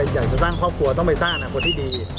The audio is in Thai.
อยากจะสร้างครอบครัวต้องไปสร้างอนาคตที่ดี